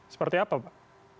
seperti apa pak